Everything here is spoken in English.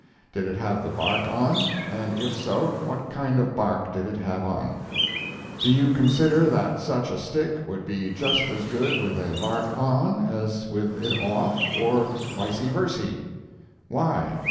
"Did it have the bark on, and if so, what kind of bark did it have on?" "Do you consider that such a stick would be just as good with the bark on, as with it off, or vicy versy?" "Why?"